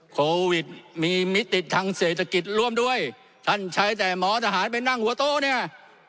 กิจร่วมด้วยท่านใช้แต่หมอทหารไปนั่งหัวโต้เนี่ย